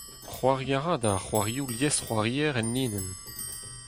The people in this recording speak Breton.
C'hoari a ran da c'hoarioù liesc'hoarier enlinenn !